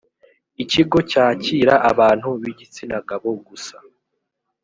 ikigo cyakira abantu b igitsina gabo gusa